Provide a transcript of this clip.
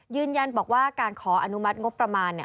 ยืนยันบอกว่าการขออนุมัติงบประมาณ